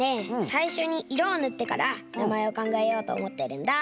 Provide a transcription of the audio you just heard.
さいしょにいろをぬってからなまえをかんがえようとおもってるんだ。